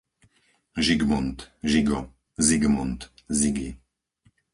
Žigmund, Žigo, Zigmund, Zigi